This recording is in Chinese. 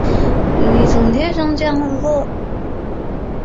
疣尾小绿虾蛄为虾蛄科小绿虾蛄属下的一个种。